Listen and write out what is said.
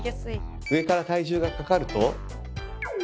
上から体重がかかると。